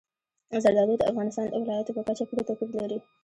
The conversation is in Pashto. زردالو د افغانستان د ولایاتو په کچه پوره توپیر لري.